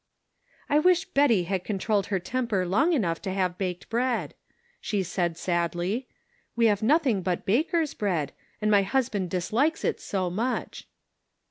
" I wish Betty had controlled her temper long enough to have baked bread," she said, sadly ; "we1 have nothing but baker's bread, and my husband dislikes it so much."